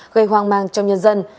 gây hoang mang trong nhân dân